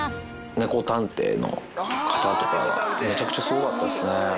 猫探偵の方とか、めちゃくちゃすごかったですね。